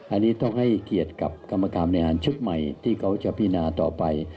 อันนี้ต้องให้เกียรติกับกรรมการบริหารชุดใหม่ที่เขาจะพินาต่อไป